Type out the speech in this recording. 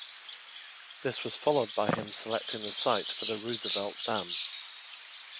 This was followed by him selecting the site for Roosevelt Dam.